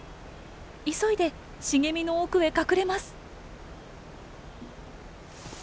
急いで茂みの奥へ隠れます。